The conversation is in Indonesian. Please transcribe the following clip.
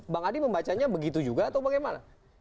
bang adi membacanya begitu juga atau bagaimana